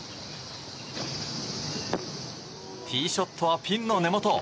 ティーショットはピンの根元。